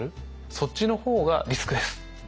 そっちの方がリスクです。